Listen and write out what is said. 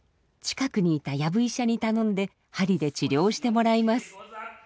近くにいた藪医者に頼んではりで治療してもらいます。